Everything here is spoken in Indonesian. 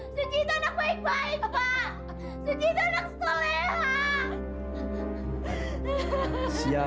suci itu anak baik baik pak suci anak sekolah